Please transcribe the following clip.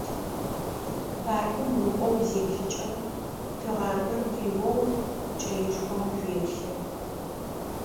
Паркым укӏоу узеплъыкӏэ, тыгъамэр къиоу кӏэишхом уеплъэ.